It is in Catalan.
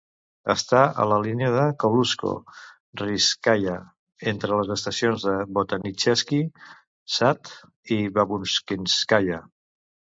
Està a la línia de Kaluzhsko-Rizhskaya, entre les estacions de Botanichesky Sad i Babushkinskaya.